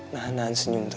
nah nahan senyum tuh